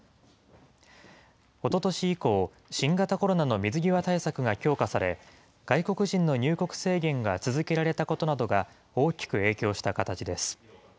おととし以降、新型コロナの水際対策が強化され、外国人の入国制限が続けられたことなどが大きく影響した形です。